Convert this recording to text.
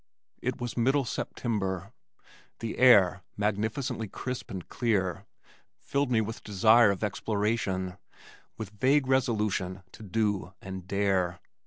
It was middle September. The air, magnificently crisp and clear, filled me with desire of exploration, with vague resolution to do and dare.